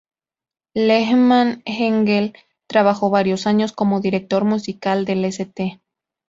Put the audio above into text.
Lehman Engel trabajó varias años como director musical del St.